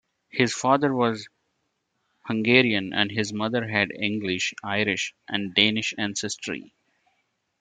His father was Hungarian and his mother had English, Irish, and Danish ancestry.